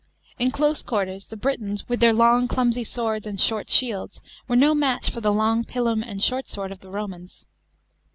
In close quarters the Britons, with their longclumsy swords and short sMelds, were no match for the long pilum and short sword of the Romans.